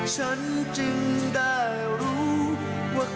ฉันจึงได้รู้ว่า